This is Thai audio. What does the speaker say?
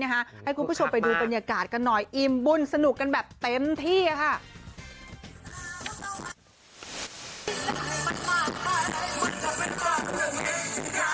ให้คุณผู้ชมไปดูบรรยากาศกันหน่อยอิ่มบุญสนุกกันแบบเต็มที่ค่ะ